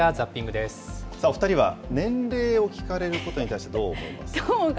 お２人は、年齢を聞かれることに対して、どう思います？